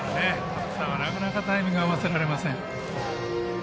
バッターはなかなかタイミングを合わせられません。